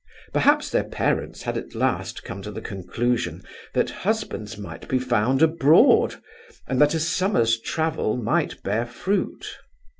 Perhaps their parents had at last come to the conclusion that husbands might be found abroad, and that a summer's travel might bear fruit.